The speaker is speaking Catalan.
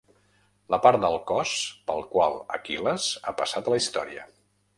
La part del cos pel qual Aquil·les ha passat a la història.